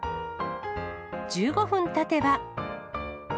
１５分たてば。